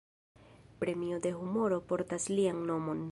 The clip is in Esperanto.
Premio de humoro portas lian nomon.